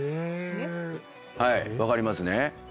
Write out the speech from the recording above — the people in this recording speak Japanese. はい分かりますね。